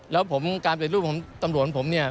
แล้วการประเตียรูปตำรวจของผมเนี่ย